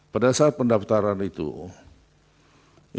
pada saat pendaftaran itu itu belum ada perubahan